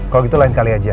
kalau gitu lain kali aja